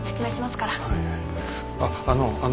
ああのあの。